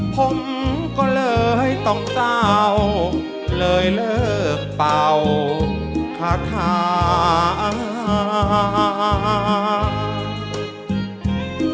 ผมก็เลยต้องเศร้าเลยเลิกเป่าคาถา